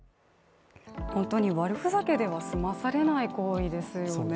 本当に悪ふざけでは済まされない行為ですよね。